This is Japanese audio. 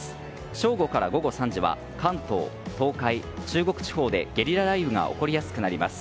正午から午後３時は関東、東海、中国地方でゲリラ雷雨が起こりやすくなります。